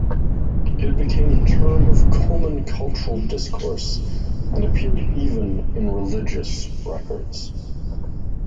It became a term of common cultural discourse and appeared even in religious records.